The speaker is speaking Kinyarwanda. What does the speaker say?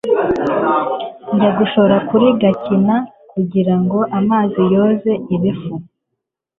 Njya gushora kuri Kagina, Ngo isome amazi yoze ibifu !